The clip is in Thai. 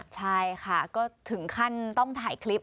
ใช่ค่ะก็ถึงขั้นต้องถ่ายคลิป